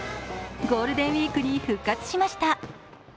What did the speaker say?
ゴールデンウイークに復活しました。